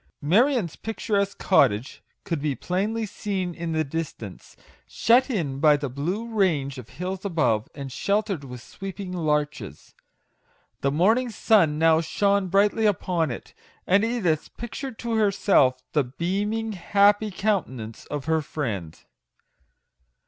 Marion's picturesque cottage could be plainly seen in the distance, shut in by the blue range of hills above, and sheltered with sweeping larches. The morning sun now shone brightly upon it, and Edith pictured to herself the beaming, happy countenance of her friend.